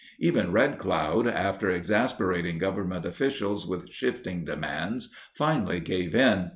Even Red Cloud, after exasperating Government officials with shifting demands, finally gave in.